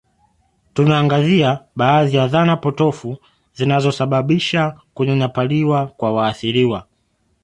Tunaangazia baadhi ya dhana potofu zinazosababisha kunyanyapaliwa kwa waathiriwa